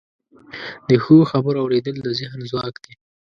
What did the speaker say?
د ښو خبرو اوریدل د ذهن ځواک دی.